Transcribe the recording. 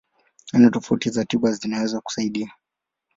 Aina tofauti za tiba zinaweza kusaidia.